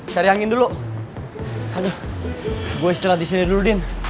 saya angin dulu aduh gue istirahat di sini dulu din